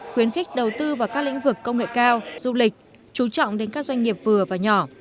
khuyến khích đầu tư vào các lĩnh vực công nghệ cao du lịch chú trọng đến các doanh nghiệp vừa và nhỏ